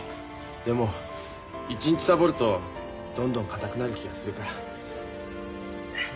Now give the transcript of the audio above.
でも一日サボるとどんどん硬くなる気がするから。